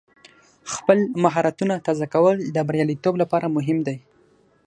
خپل مهارتونه تازه کول د بریالیتوب لپاره مهم دی.